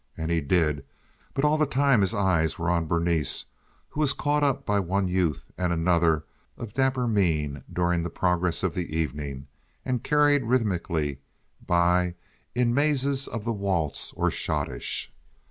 And he did, but all the time his eyes were on Berenice, who was caught up by one youth and another of dapper mien during the progress of the evening and carried rhythmically by in the mazes of the waltz or schottische.